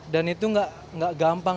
dan itu gak gampang